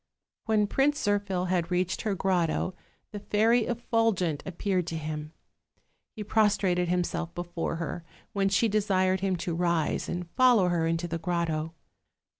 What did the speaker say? When Prince Zirphil had reached her grotto the Fairy Effulgent appeared to him; he pros trated himself before her, when she desired him to rise and follow her into the grotto.